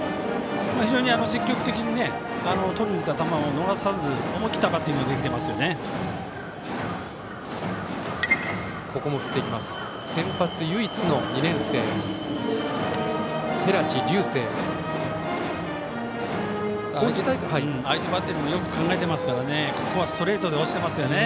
非常に積極的にとりにきた球を逃さず思い切ったバッティングができていますよね。